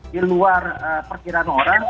di luar perkiraan orang